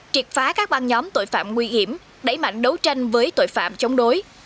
triệt phá các băng nhóm tội phạm nguy hiểm đẩy mạnh đấu tranh với tội phạm chống đối